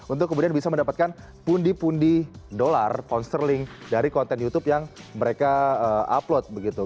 untuk kemudian bisa mendapatkan pundi pundi dolar konserling dari konten youtube yang mereka upload begitu